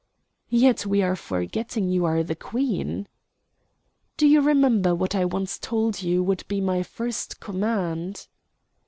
"Yet we are forgetting you are the Queen." "Do you remember what I once told you would be my first command?"